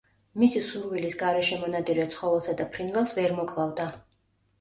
მისი სურვილის გარეშე მონადირე ცხოველსა და ფრინველს ვერ მოკლავდა.